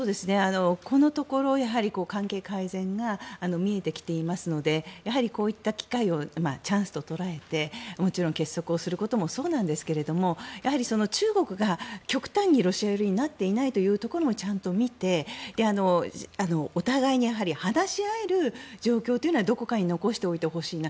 このところ関係改善が見えてきていますのでこういった機会をチャンスと捉えてもちろん結束をすることもそうなんですがやはり中国が極端にロシア寄りになっていないというところもちゃんと見て、お互いに話し合える状況というのはどこかに残しておいてほしいな。